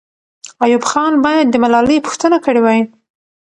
ایوب خان باید د ملالۍ پوښتنه کړې وای.